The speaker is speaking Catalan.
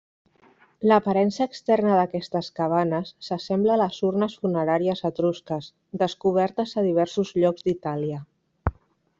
L'aparença externa d'aquestes cabanes s'assembla a les urnes funeràries etrusques, descobertes a diversos llocs d'Itàlia.